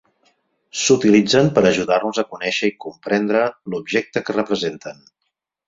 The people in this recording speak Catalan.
S'utilitzen per ajudar-nos a conèixer i comprendre l'objecte que representen.